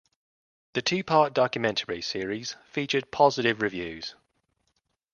The two part documentary series received positive reviews.